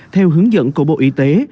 theo hướng dẫn của bộ y tế